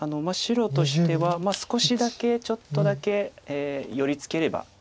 白としては少しだけちょっとだけ寄り付ければ。